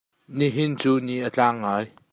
Nihin cu ni a tlang ngai.